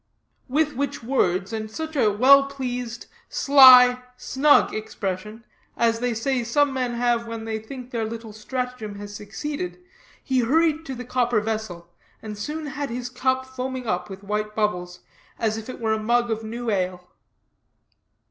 With which words, and such a well pleased, sly, snug, expression, as they say some men have when they think their little stratagem has succeeded, he hurried to the copper vessel, and soon had his cup foaming up with white bubbles, as if it were a mug of new ale.